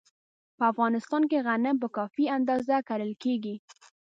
په افغانستان کې غنم په کافي اندازه کرل کېږي.